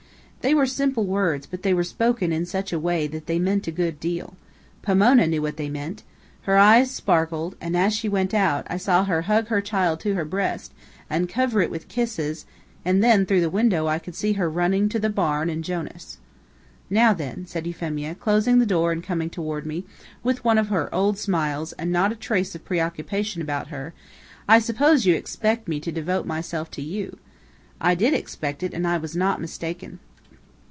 They were simple words, but they were spoken in such a way that they meant a good deal. Pomona knew what they meant. Her eyes sparkled, and as she went out, I saw her hug her child to her breast, and cover it with kisses, and then, through the window, I could see her running to the barn and Jonas. "Now, then," said Euphemia, closing the door and coming toward me, with one of her old smiles, and not a trace of preoccupation about her, "I suppose you expect me to devote myself to you." I did expect it, and I was not mistaken.